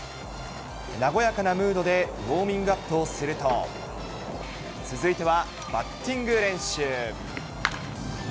和やかなムードでウォーミングアップをすると、続いては、バッティング練習。